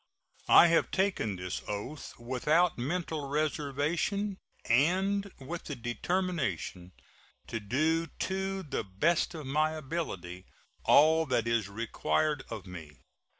I have taken this oath without mental reservation and with the determination to do to the best of my ability all that is required of me.